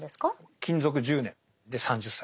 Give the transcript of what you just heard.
勤続１０年で３０歳。